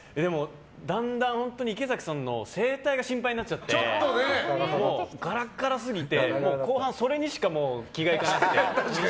だんだん池崎さんの声帯が心配になっちゃってガラガラすぎて後半、それにしか気がいかなくて。